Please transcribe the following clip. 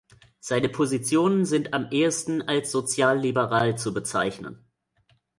Seine Positionen sind am ehesten als sozialliberal zu bezeichnen.